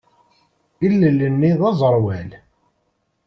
Ilel-nni d aẓerwal.